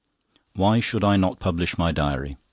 POOTER Why should I not publish my diary?